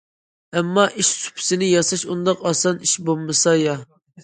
ئەمما ئىش سۇپىسىنى ياساش ئۇنداق ئاسان ئىش بولمىسا يا.